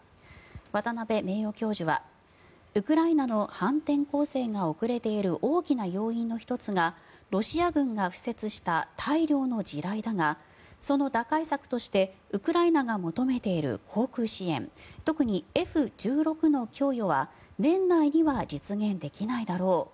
渡邊名誉教授はウクライナの反転攻勢が遅れている大きな要因の１つがロシア軍が敷設した大量の地雷だがその打開策としてウクライナが求めている航空支援特にＦ１６の供与は年内には実現できないだろう